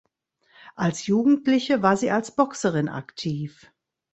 Als Jugendliche war sie als Boxerin aktiv.